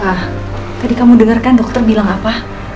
pak tadi kamu denger kan dokter bilang apa